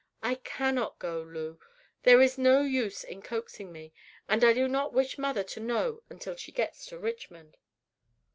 I cannot go, Lew; there is no use in coaxing me; and I do not wish mother to know until she gets to Richmond."